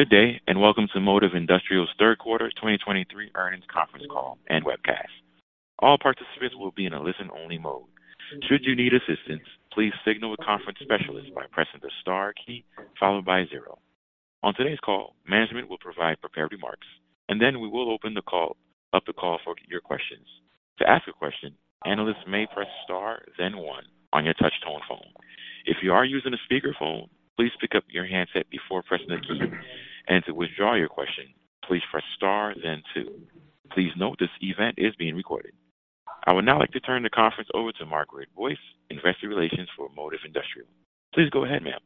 Good day, and welcome to Modiv Industrial's third quarter 2023 earnings conference call and webcast. All participants will be in a listen-only mode. Should you need assistance, please signal the conference specialist by pressing the star key, followed by zero. On today's call, management will provide prepared remarks, and then we will open up the call for your questions. To ask a question, analysts may press Star, then one on your touch tone phone. If you are using a speakerphone, please pick up your handset before pressing a key. To withdraw your question, please press Star, then two. Please note, this event is being recorded. I would now like to turn the conference over to Margaret Boyce, Investor Relations for Modiv Industrial. Please go ahead, ma'am.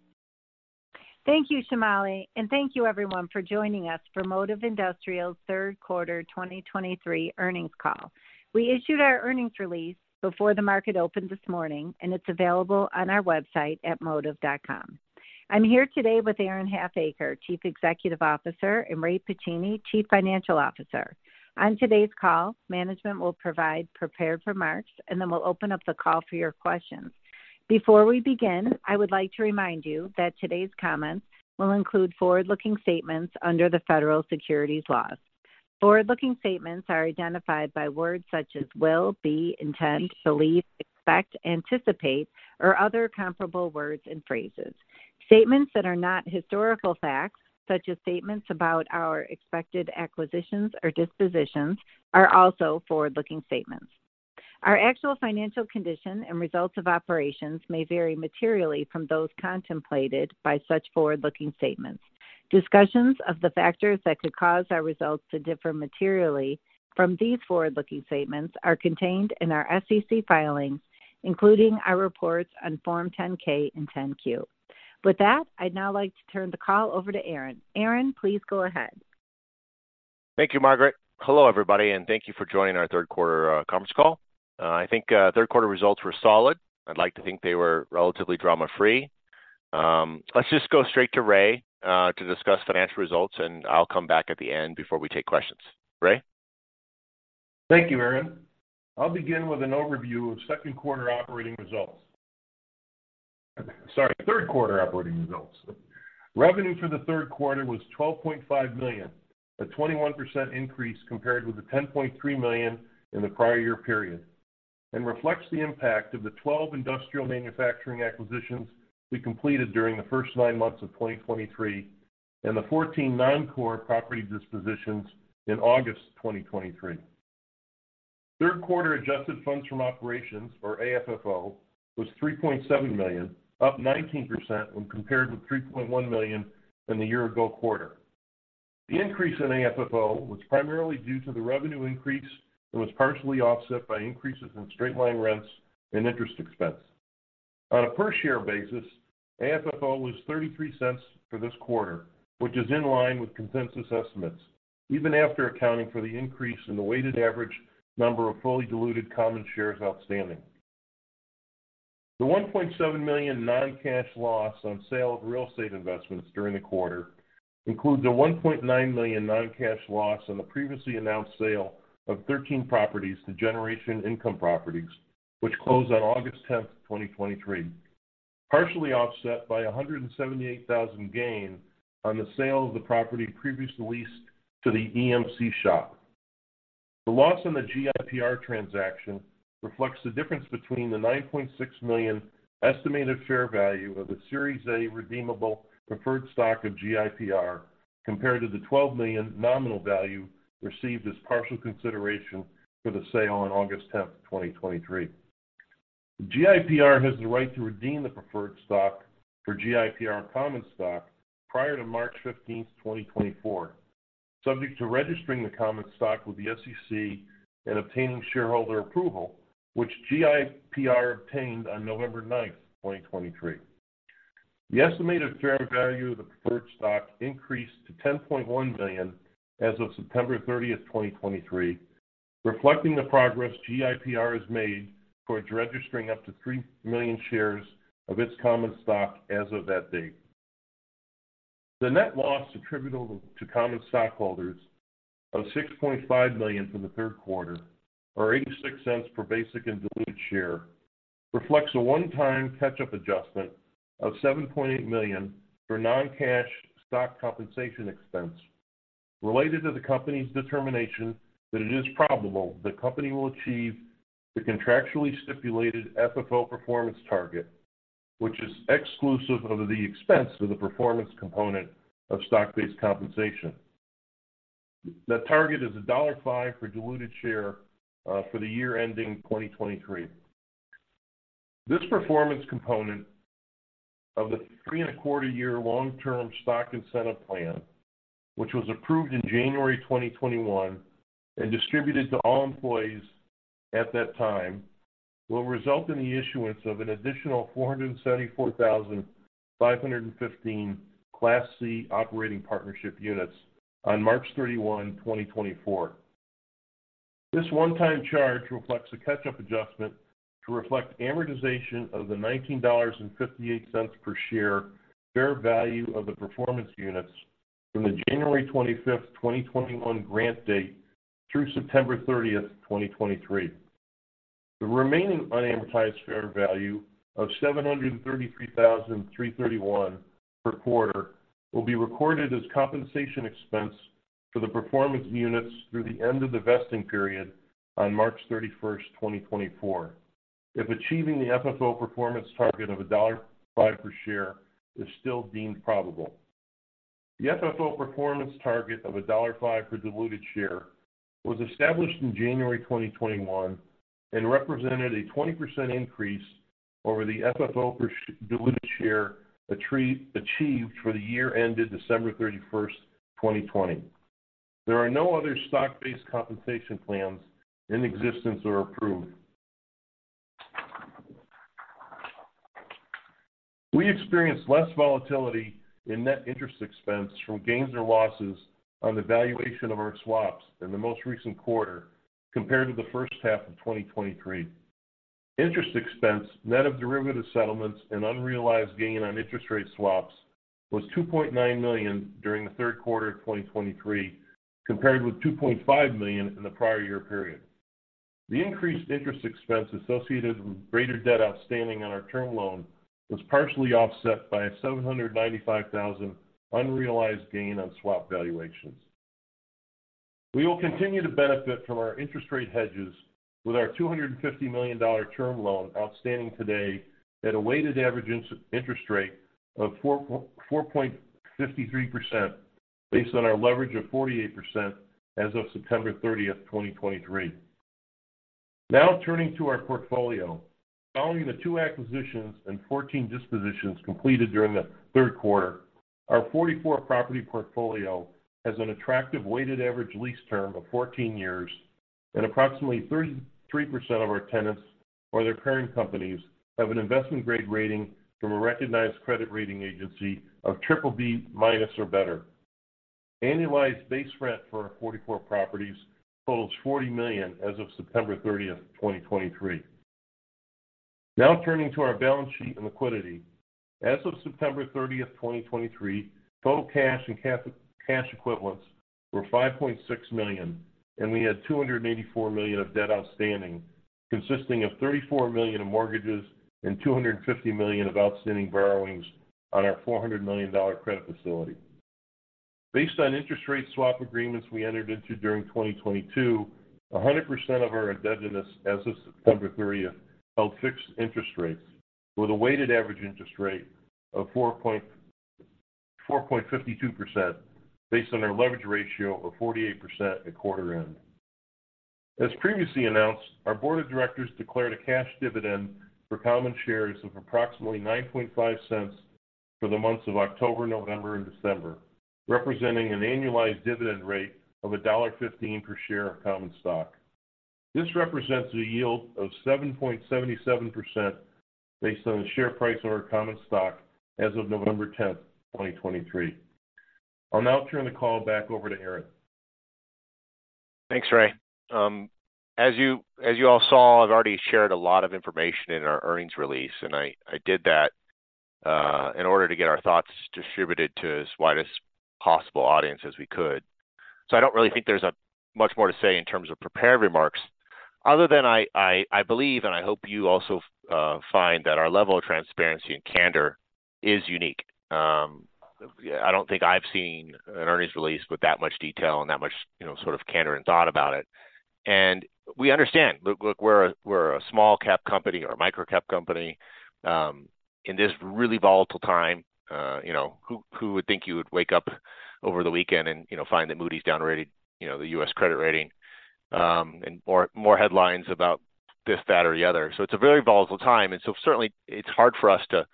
Thank you, Shamali, and thank you everyone for joining us for Modiv Industrial's third quarter 2023 earnings call. We issued our earnings release before the market opened this morning, and it's available on our website at modiv.com. I'm here today with Aaron Halfacre, Chief Executive Officer, and Ray Pacini, Chief Financial Officer. On today's call, management will provide prepared remarks, and then we'll open up the call for your questions. Before we begin, I would like to remind you that today's comments will include forward-looking statements under the federal securities laws. Forward-looking statements are identified by words such as will, be, intent, believe, expect, anticipate, or other comparable words and phrases. Statements that are not historical facts, such as statements about our expected acquisitions or dispositions, are also forward-looking statements. Our actual financial condition and results of operations may vary materially from those contemplated by such forward-looking statements. Discussions of the factors that could cause our results to differ materially from these forward-looking statements are contained in our SEC filings, including our reports on Form 10-K and 10-Q. With that, I'd now like to turn the call over to Aaron. Aaron, please go ahead. Thank you, Margaret. Hello, everybody, and thank you for joining our third quarter conference call. I think third quarter results were solid. I'd like to think they were relatively drama-free. Let's just go straight to Ray to discuss financial results, and I'll come back at the end before we take questions. Ray? Thank you, Aaron. I'll begin with an overview of second quarter operating results. Sorry, third quarter operating results. Revenue for the third quarter was $12.5 million, a 21% increase compared with the $10.3 million in the prior year period, and reflects the impact of the 12 industrial manufacturing acquisitions we completed during the first nine months of 2023, and the 14 noncore property dispositions in August 2023. Third quarter adjusted funds from operations, or AFFO, was $3.7 million, up 19% when compared with $3.1 million in the year ago quarter. The increase in AFFO was primarily due to the revenue increase and was partially offset by increases in straight line rents and interest expense. On a per share basis, AFFO was $0.33 for this quarter, which is in line with consensus estimates, even after accounting for the increase in the weighted average number of fully diluted common shares outstanding. The $1.7 million non-cash loss on sale of real estate investments during the quarter includes a $1.9 million non-cash loss on the previously announced sale of 13 properties to Generation Income Properties, which closed on 10 August 2023. Partially offset by a $178,000 gain on the sale of the property previously leased to the EMC Shop. The loss on the GIPR transaction reflects the difference between the $9.6 million estimated fair value of the Series A redeemable preferred stock of GIPR, compared to the $12 million nominal value received as partial consideration for the sale on 10 August 2023. GIPR has the right to redeem the preferred stock for GIPR common stock prior to 15 March 2024, subject to registering the common stock with the SEC and obtaining shareholder approval, which GIPR obtained on 9 November 2023. The estimated fair value of the preferred stock increased to $10.1 million as of 13 September 2023, reflecting the progress GIPR has made towards registering up to 3 million shares of its common stock as of that date. The net loss attributable to common stockholders of $6.5 million for the third quarter, or $0.86 per basic and diluted share, reflects a one-time catch-up adjustment of $7.8 million for non-cash stock compensation expense related to the company's determination that it is probable the company will achieve the contractually stipulated FFO performance target, which is exclusive of the expense of the performance component of stock-based compensation. That target is $5 for diluted share, for the year ending 2023. This performance component of the 3.25-year long-term stock incentive plan, which was approved in January 2021 and distributed to all employees at that time, will result in the issuance of an additional 474,515 Class C operating partnership units on 31 March 2024. This one-time charge reflects a catch-up adjustment to reflect amortization of the $19.58 per share fair value of the performance units from the 25 January 2021, grant date through 30 September 2023. The remaining unamortized fair value of $733,331 per quarter will be recorded as compensation expense for the performance units through the end of the vesting period on 31 March 2024. If achieving the FFO performance target of $5 per share is still deemed probable. The FFO performance target of $5 per diluted share was established in January 2021 and represented a 20% increase over the FFO per diluted share achieved for the year ended 31 December 2020. There are no other stock-based compensation plans in existence or approved. We experienced less volatility in net interest expense from gains or losses on the valuation of our swaps in the most recent quarter compared to the first half of 2023. Interest expense, net of derivative settlements and unrealized gain on interest rate swaps, was $2.9 million during the third quarter of 2023, compared with $2.5 million in the prior year period. The increased interest expense associated with greater debt outstanding on our term loan was partially offset by a $795,000 unrealized gain on swap valuations. We will continue to benefit from our interest rate hedges with our $250 million term loan outstanding today at a weighted average interest rate of 4.53%, based on our leverage of 48% as of September 30, 2023. Now turning to our portfolio. Following the 2 acquisitions and 14 dispositions completed during the third quarter, our 44-property portfolio has an attractive weighted average lease term of 14 years, and approximately 33% of our tenants or their parent companies have an investment-grade rating from a recognized credit rating agency of BBB- or better. Annualized base rent for our 44 properties totals $40 million as of 30 September 2023. Now turning to our balance sheet and liquidity. As of 30 September 2023, total cash and cash equivalents were $5.6 million, and we had $284 million of debt outstanding, consisting of $34 million in mortgages and $250 million of outstanding borrowings on our $400 million credit facility. Based on interest rate swap agreements we entered into during 2022, 100% of our indebtedness as of 30 September 2023 held fixed interest rates, with a weighted average interest rate of 4.452%, based on our leverage ratio of 48% at quarter end. As previously announced, our board of directors declared a cash dividend for common shares of approximately $0.095 for the months of October, November, and December, representing an annualized dividend rate of $1.15 per share of common stock. This represents a yield of 7.77% based on the share price of our common stock as of 10 November 2023. I'll now turn the call back over to Aaron. Thanks, Ray. As you all saw, I've already shared a lot of information in our earnings release, and I believe, and I hope you also find that our level of transparency and candor is unique. I don't think I've seen an earnings release with that much detail and that much, you know, sort of candor and thought about it. And we understand, look, we're a small cap company or a micro-cap company in this really volatile time. You know, who would think you would wake up over the weekend and, you know, find that Moody's downgraded the US credit rating and more headlines about this, that or the other. So it's a very volatile time, and so certainly it's hard for us to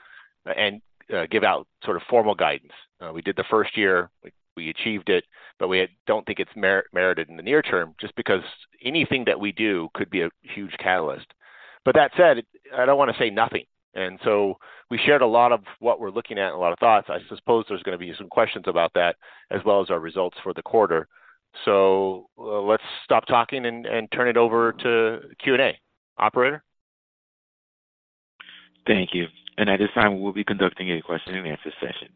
give out sort of formal guidance. We did the first year, we achieved it, but we don't think it's merited in the near term just because anything that we do could be a huge catalyst. But that said, I don't want to say nothing, and so we shared a lot of what we're looking at and a lot of thoughts. I suppose there's going to be some questions about that as well as our results for the quarter. So let's stop talking and turn it over to Q&A. Operator? Thank you. And at this time, we'll be conducting a question-and-answer session.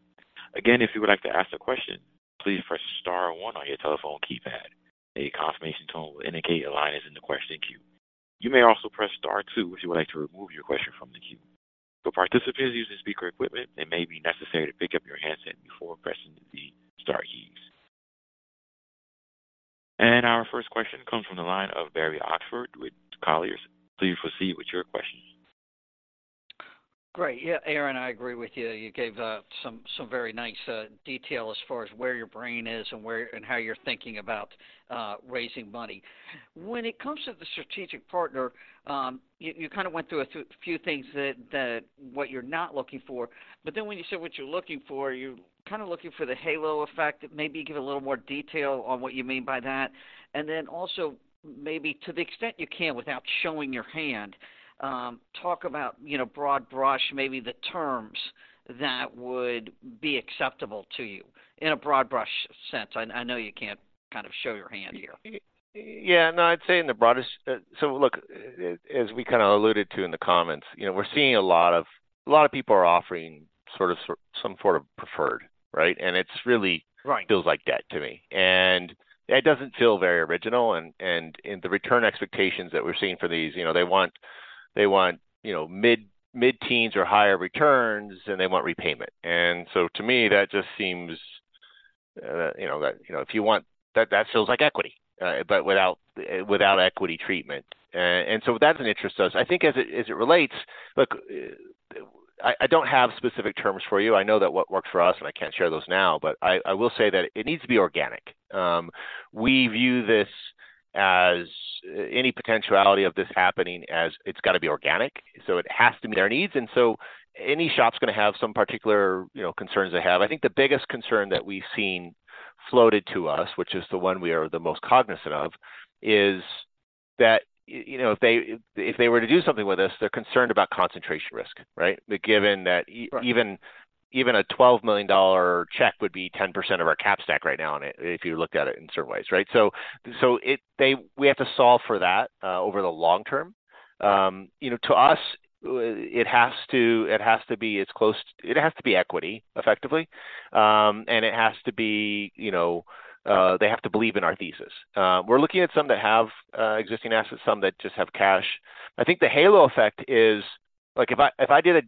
Again, if you would like to ask a question, please press star one on your telephone keypad. A confirmation tone will indicate your line is in the question queue. You may also press star two if you would like to remove your question from the queue. For participants using speaker equipment, it may be necessary to pick up your handset before pressing the star keys. And our first question comes from the line of Barry Oxford with Colliers. Please proceed with your question. Great. Yeah, Aaron, I agree with you. You gave some very nice detail as far as where your brain is and where and how you're thinking about raising money. When it comes to the strategic partner, you kind of went through a few things that what you're not looking for, but then when you said what you're looking for, you're kind of looking for the halo effect. Maybe give a little more detail on what you mean by that. And then also, maybe to the extent you can, without showing your hand, talk about, you know, broad brush, maybe the terms that would be acceptable to you in a broad-brush sense. I know you can't kind of show your hand here. Yeah, no, I'd say in the broadest... so look, as we kind of alluded to in the comments, you know, we're seeing a lot of-- a lot of people are offering sort of, some sort of preferred, right? And it's really... Right. Feels like that to me. And it doesn't feel very original, and the return expectations that we're seeing for these, you know, they want, you know, mid-teens or higher returns, and they want repayment. And so to me, that just seems, you know, that, you know, if you want – that feels like equity, but without equity treatment. And so that's an interest to us. I think as it relates, look, I don't have specific terms for you. I know that what works for us, and I can't share those now, but I will say that it needs to be organic. We view this as any potentiality of this happening, as it's got to be organic, so it has to meet our needs. And so any shop's gonna have some particular, you know, concerns they have. I think the biggest concern that we've seen floated to us, which is the one we are the most cognizant of, is that, you know, if they, if they were to do something with us, they're concerned about concentration risk, right? Given that even a $12 million check would be 10% of our cap stack right now on it, if you looked at it in certain ways, right? So it, they, we have to solve for that over the long term. You know, to us, it has to, it has to be as close... It has to be equity, effectively. And it has to be, you know, they have to believe in our thesis. We're looking at some that have existing assets, some that just have cash. I think the halo effect is like, if I did a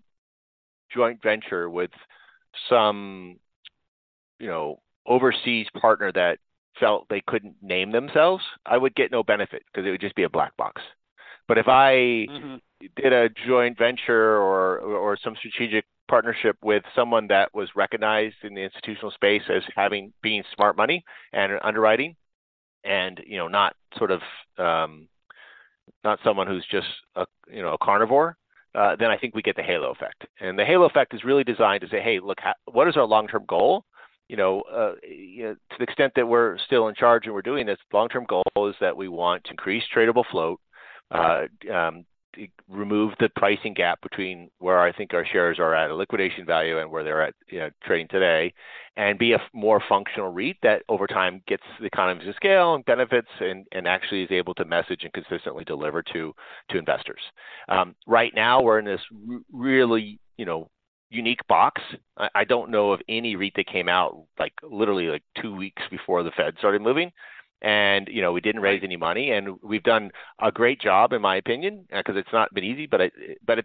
joint venture with some, you know, overseas partner that felt they couldn't name themselves, I would get no benefit because it would just be a black box. But if I- Mm-hmm. Did a joint venture or some strategic partnership with someone that was recognized in the institutional space as having, being smart money and underwriting and, you know, not sort of not someone who's just a, you know, a carnivore, then I think we get the halo effect. And the halo effect is really designed to say, "Hey, look, what is our long-term goal? You know, you..." To the extent that we're still in charge and we're doing this, long-term goal is that we want to increase tradable float, remove the pricing gap between where I think our shares are at a liquidation value and where they're at, you know, trading today, and be a more functional REIT that over time gets the economies of scale and benefits and actually is able to message and consistently deliver to investors. Right now, we're in this really, you know, unique box. I don't know of any REIT that came out, like, literally, like two weeks before the Fed started moving. And, you know, we didn't raise any money, and we've done a great job, in my opinion, because it's not been easy. But at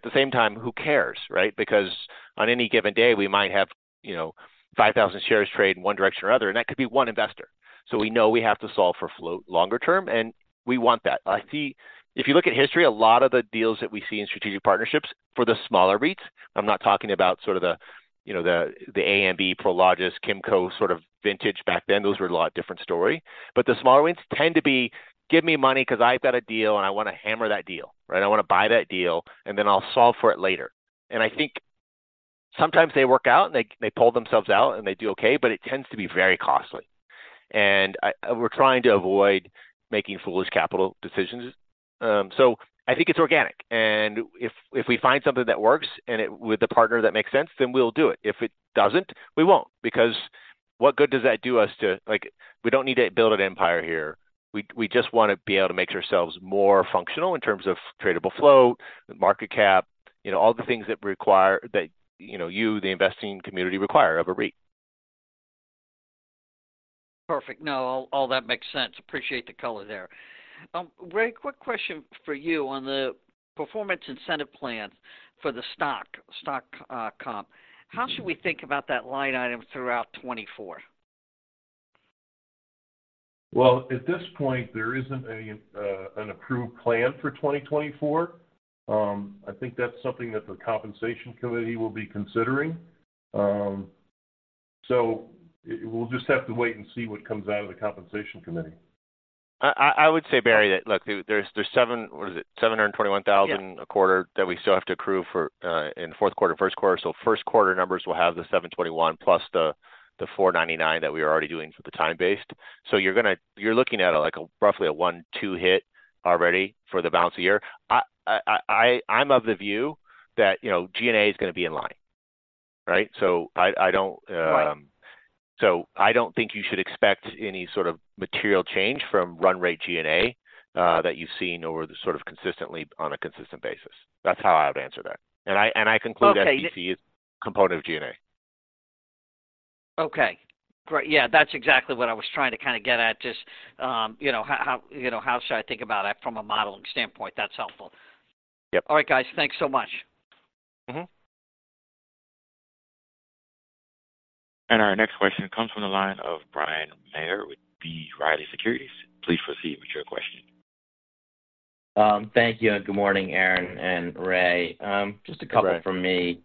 the same time, who cares, right? Because on any given day, we might have, you know, 5,000 shares trade in one direction or another, and that could be one investor. So we know we have to solve for float longer term, and we want that. I see. If you look at history, a lot of the deals that we see in strategic partnerships for the smaller REITs, I'm not talking about sort of the, you know, the AMB, Prologis, Kimco, sort of vintage back then, those were a lot different story. But the smaller REITs tend to be, "Give me money because I've got a deal, and I want to hammer that deal," right? "I want to buy that deal, and then I'll solve for it later." And we're trying to avoid making foolish capital decisions. So I think it's organic, and if we find something that works and it with a partner that makes sense, then we'll do it. If it doesn't, we won't. Because what good does that do us to—like, we don't need to build an empire here. We, we just want to be able to make ourselves more functional in terms of tradable flow, market cap, you know, all the things that require, that, you know, you, the investing community, require of a REIT. Perfect. No, all that makes sense. Appreciate the color there. Ray, quick question for you. On the performance incentive plan for the stock comp, how should we think about that line item throughout 2024? Well, at this point, there isn't any approved plan for 2024. I think that's something that the Compensation Committee will be considering. So we'll just have to wait and see what comes out of the Compensation Committee. I would say, Barry, that look, there's $721,000 a quarter that we still have to accrue for in the fourth quarter, first quarter. So first-quarter numbers will have the $721,000 plus the $499,000 that we are already doing for the time-based. So you're gonna, you're looking at, like, a roughly $1.2 million hit already for the balance of the year. I'm of the view that, you know, G&A is gonna be in line, right? So I don't Right. So I don't think you should expect any sort of material change from run rate G&A, that you've seen over the sort of consistently, on a consistent basis. That's how I would answer that. And I conclude that G&A is component of G&A. Okay, great. Yeah, that's exactly what I was trying to kind of get at. Just, you know, how, you know, how should I think about that from a modeling standpoint? That's helpful. Yep. All right, guys. Thanks so much. Mm-hmm. Our next question comes from the line of Bryan Maher with B. Riley Securities. Please proceed with your question. Thank you, and good morning, Aaron and Ray. Just a couple from me.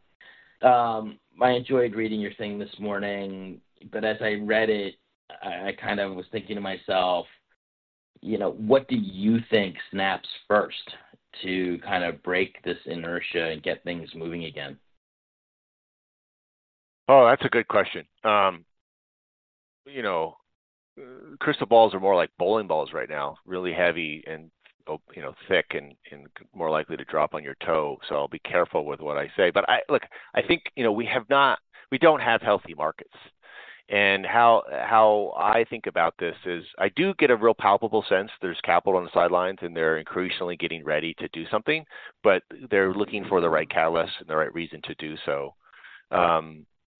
I enjoyed reading your thing this morning, but as I read it, I kind of was thinking to myself, you know, what do you think snaps first to kind of break this inertia and get things moving again? Oh, that's a good question. You know, crystal balls are more like bowling balls right now. Really heavy and, oh, you know, thick and more likely to drop on your toe. So I'll be careful with what I say. But look, I think, you know, we don't have healthy markets. And how I think about this is I do get a real palpable sense there's capital on the sidelines, and they're increasingly getting ready to do something, but they're looking for the right catalyst and the right reason to do so.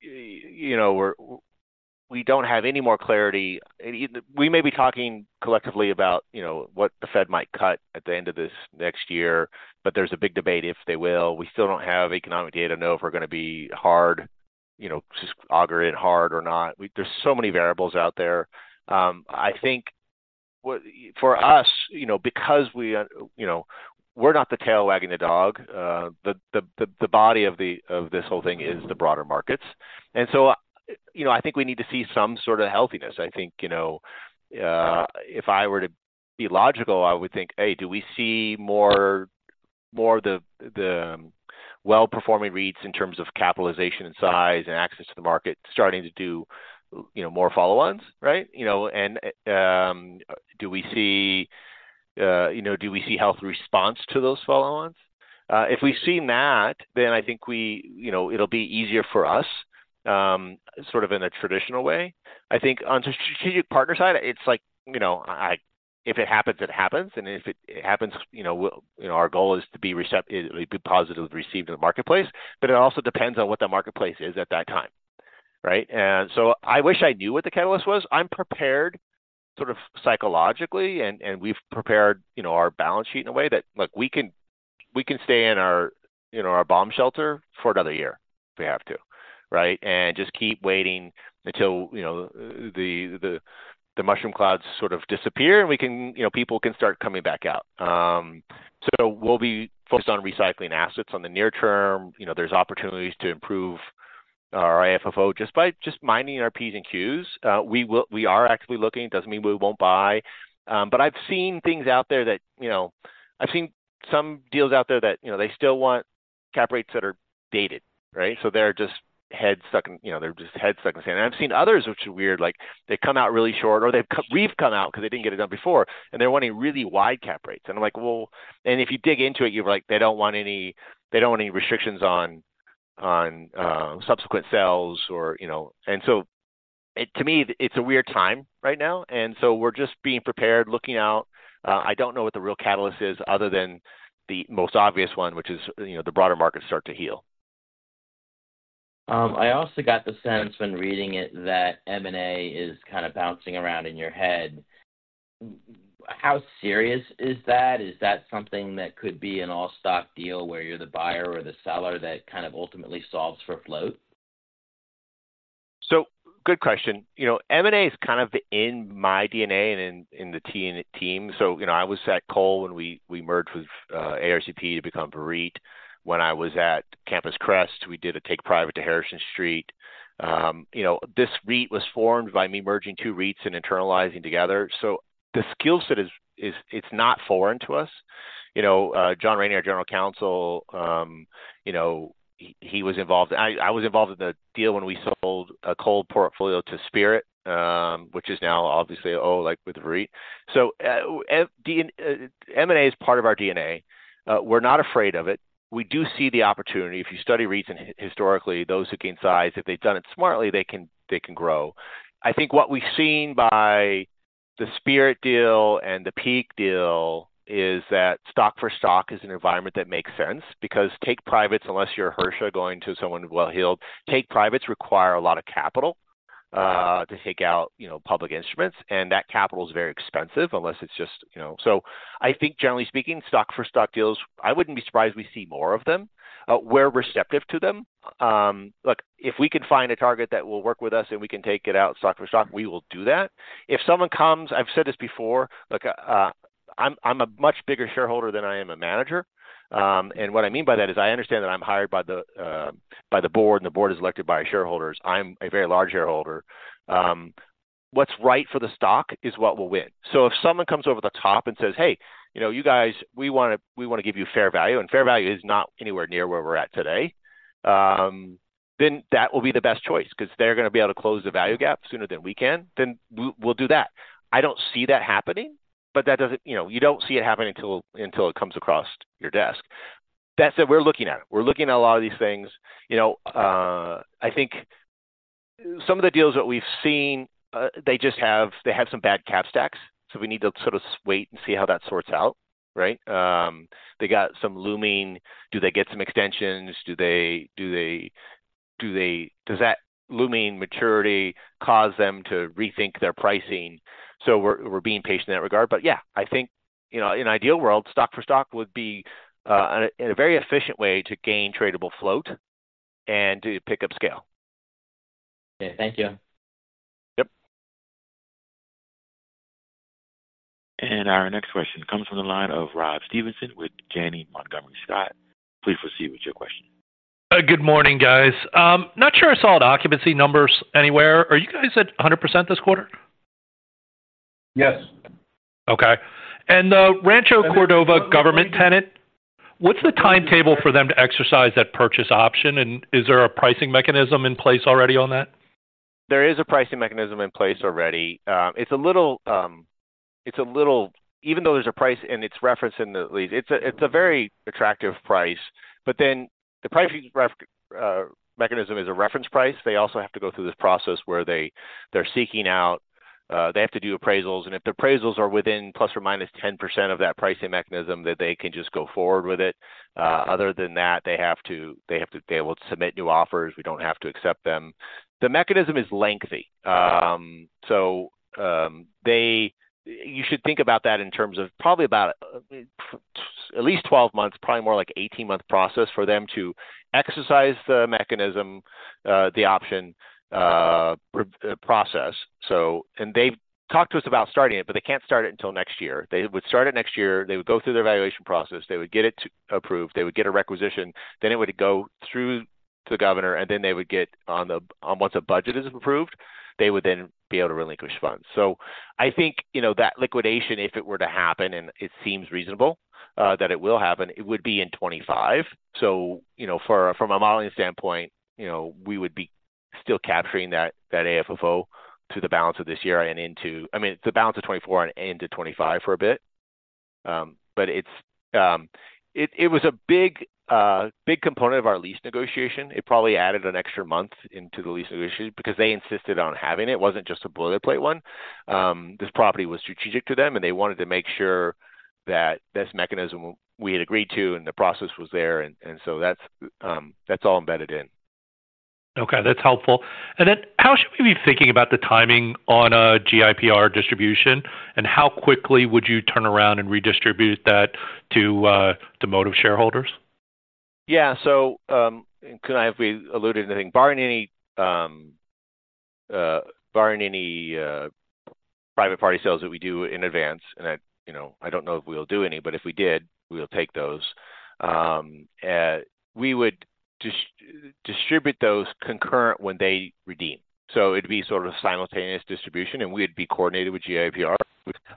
You know, we don't have any more clarity. And we may be talking collectively about, you know, what the Fed might cut at the end of this next year, but there's a big debate if they will. We still don't have economic data to know if we're gonna be hard, you know, just auger in hard or not. We. There's so many variables out there. I think what for us, you know, because we, you know, we're not the tail wagging the dog, the body of this whole thing is the broader markets. And so, you know, I think we need to see some sort of healthiness. I think, you know, if I were to be logical, I would think, hey, do we see more of the well-performing REITs in terms of capitalization and size and access to the market starting to do, you know, more follow-ons, right? You know, and do we see, you know, do we see health response to those follow-ons? If we've seen that, then I think we—you know, it'll be easier for us, sort of in a traditional way. I think on the strategic partner side, it's like, you know, I—if it happens, it happens, and if it happens, you know, we'll—you know, our goal is to be receptive, be positively received in the marketplace, but it also depends on what the marketplace is at that time, right? And so I wish I knew what the catalyst was. I'm prepared sort of psychologically, and we've prepared, you know, our balance sheet in a way that, look, we can, we can stay in our, you know, our bomb shelter for another year if we have to, right? And just keep waiting until, you know, the mushroom clouds sort of disappear, and we can—you know, people can start coming back out. So we'll be focused on recycling assets on the near term. You know, there's opportunities to improve our FFO just by just minding our P's and Q's. We are actively looking. It doesn't mean we won't buy, but I've seen things out there that, you know. I've seen some deals out there that, you know, they still want cap rates that are dated, right? So they're just head stuck in, you know, they're just head stuck in the sand. And I've seen others, which is weird, like they come out really short or they've we've come out because they didn't get it done before, and they're wanting really wide cap rates. And I'm like, well. And if you dig into it, you're like, they don't want any, they don't want any restrictions on, on, subsequent sales or, you know. And so to me, it's a weird time right now, and so we're just being prepared, looking out. I don't know what the real catalyst is other than the most obvious one, which is, you know, the broader markets start to heal. I also got the sense when reading it, that M&A is kind of bouncing around in your head. How serious is that? Is that something that could be an all-stock deal where you're the buyer or the seller that kind of ultimately solves for float? So good question. You know, M&A is kind of in my DNA and in the team. So, you know, I was at Cole when we merged with ARCP to become VEREIT. When I was at Campus Crest, we did a take private to Harrison Street. You know, this REIT was formed by me merging two REITs and internalizing together. So the skill set is, it's not foreign to us. You know, John Raney, our General Counsel, you know, he was involved. I was involved with the deal when we sold a Cole portfolio to Spirit, which is now obviously like with VEREIT. So the M&A is part of our DNA. We're not afraid of it. We do see the opportunity. If you study REITs and historically, those who gain size, if they've done it smartly, they can, they can grow. I think what we've seen by the Spirit deal and the Peak deal is that stock for stock is an environment that makes sense because take privates, unless you're Hersha going to someone well-heeled, take privates require a lot of capital, to take out, you know, public instruments, and that capital is very expensive unless it's just, you know... So I think generally speaking, stock for stock deals, I wouldn't be surprised if we see more of them. We're receptive to them. Look, if we can find a target that will work with us and we can take it out stock for stock, we will do that. If someone comes, I've said this before, look, I'm a much bigger shareholder than I am a manager. And what I mean by that is I understand that I'm hired by the board, and the board is elected by shareholders. I'm a very large shareholder. What's right for the stock is what will win. So if someone comes over the top and says, "Hey, you know, you guys, we wanna, we wanna give you fair value," and fair value is not anywhere near where we're at today, then that will be the best choice because they're gonna be able to close the value gap sooner than we can. Then we'll do that. I don't see that happening, but that doesn't, you know, you don't see it happening until it comes across your desk. That said, we're looking at it. We're looking at a lot of these things. You know, I think some of the deals that we've seen, they just have-- they have some bad cap stacks, so we need to sort of wait and see how that sorts out, right? They got some looming. Do they get some extensions? Does that looming maturity cause them to rethink their pricing? So we're being patient in that regard. But yeah, I think, you know, in an ideal world, stock for stock would be a very efficient way to gain tradable float and to pick up scale. Okay. Thank you. Yep. Our next question comes from the line of Rob Stevenson with Janney Montgomery Scott. Please proceed with your question. Good morning, guys. Not sure I saw the occupancy numbers anywhere. Are you guys at 100% this quarter? Yes. Okay. And the Rancho Cordova government tenant, what's the timetable for them to exercise that purchase option? And is there a pricing mechanism in place already on that? There is a pricing mechanism in place already. It's a little even though there's a price and it's referenced in the lease, it's a very attractive price, but then the pricing reference mechanism is a reference price. They also have to go through this process where they have to do appraisals, and if the appraisals are within ±10% of that pricing mechanism, then they can just go forward with it. Other than that, they have to be able to submit new offers. We don't have to accept them. The mechanism is lengthy. So, you should think about that in terms of probably about at least 12 months, probably more like 18-month process for them to exercise the mechanism, the option process. So they've talked to us about starting it, but they can't start it until next year. They would start it next year. They would go through their evaluation process. They would get it approved, they would get a requisition, then it would go through the governor, and then they would get on the budget. Once a budget is approved, they would then be able to relinquish funds. So I think, you know, that liquidation, if it were to happen, and it seems reasonable, that it will happen, it would be in 2025. So, you know, for, from a modeling standpoint, you know, we would be still capturing that, that AFFO to the balance of this year and into... I mean, the balance of 2024 and into 2025 for a bit. But it's, it was a big, big component of our lease negotiation. It probably added an extra month into the lease negotiation because they insisted on having it. It wasn't just a boilerplate one. This property was strategic to them, and they wanted to make sure that this mechanism we had agreed to and the process was there, and so that's all embedded in. Okay, that's helpful. And then how should we be thinking about the timing on a GIPR distribution? And how quickly would you turn around and redistribute that to Modiv shareholders? Yeah. So, if we alluded to anything, barring any private party sales that we do in advance, and that, you know, I don't know if we'll do any, but if we did, we'll take those. We would distribute those concurrent when they redeem. So it'd be sort of a simultaneous distribution, and we'd be coordinated with GIPR.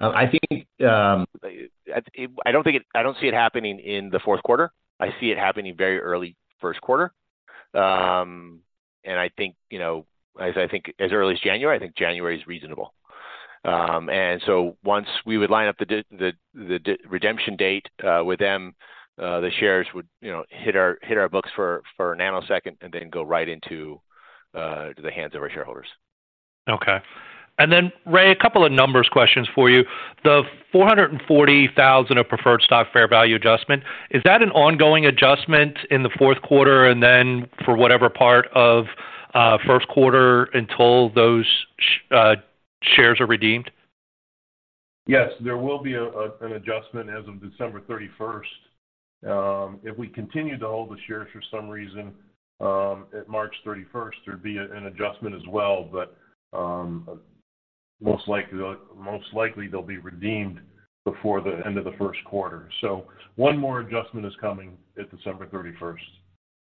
I think I don't see it happening in the fourth quarter. I see it happening very early first quarter. And I think, you know, as early as January, I think January is reasonable. And so once we would line up the redemption date with them, the shares would, you know, hit our books for a nanosecond and then go right into the hands of our shareholders. Okay. And then, Ray, a couple of numbers questions for you. The $440,000 of preferred stock fair value adjustment, is that an ongoing adjustment in the fourth quarter and then for whatever part of first quarter, until those shares are redeemed? Yes, there will be an adjustment as of 31 December 2024. If we continue to hold the shares for some reason, at 31 March 2024 there'd be an adjustment as well, but most likely, most likely they'll be redeemed before the end of the first quarter. So, one more adjustment is coming at 31 December 2024.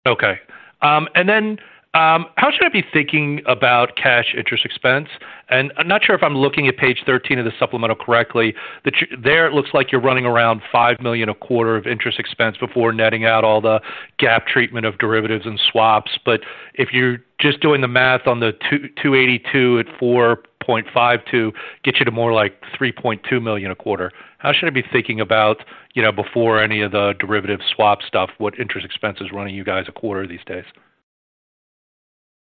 Okay, and then, how should I be thinking about cash interest expense? And I'm not sure if I'm looking at page 13 of the supplemental correctly. There, it looks like you're running around $5 million a quarter of interest expense before netting out all the GAAP treatment of derivatives and swaps. But if you're just doing the math on the $282 at 4.5 to get you to more like $3.2 million a quarter, how should I be thinking about, you know, before any of the derivative swap stuff, what interest expense is running you guys a quarter these days?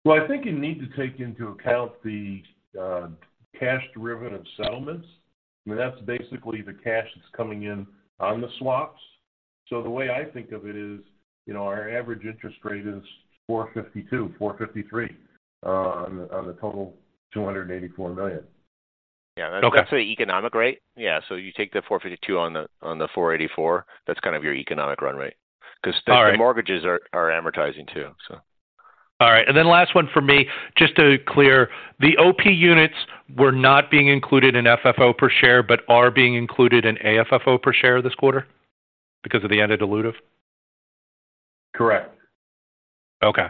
Well, I think you need to take into account the cash derivative settlements. I mean, that's basically the cash that's coming in on the swaps. So the way I think of it is, you know, our average interest rate is 4.52% to 4.53% on the total $284 million. Yeah. Okay. That's the economic rate. Yeah, so you take the 4.52 on the, on the 4.84, that's kind of your economic run rate. All right. Because the mortgages are amortizing too, so. All right, and then last one for me, just to clear, the OP units were not being included in FFO per share, but are being included in AFFO per share this quarter because of the end of dilutive? Correct. Okay.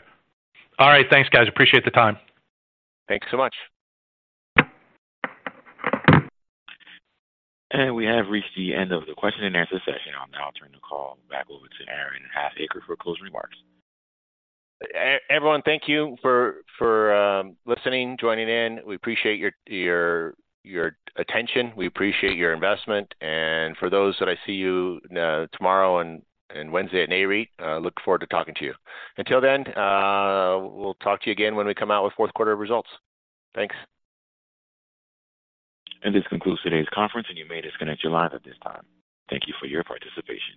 All right. Thanks, guys. Appreciate the time. Thanks so much. We have reached the end of the question-and-answer session. I'll now turn the call back over to Aaron Halfacre for closing remarks. Everyone, thank you for listening, joining in. We appreciate your attention. We appreciate your investment, and for those that I see you tomorrow and Wednesday at NAREIT, look forward to talking to you. Until then, we'll talk to you again when we come out with fourth quarter results. Thanks. This concludes today's conference, and you may disconnect your line at this time. Thank you for your participation.